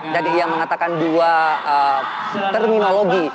dan dia mengatakan dua terminologi